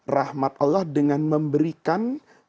rahmat allah dengan memberikan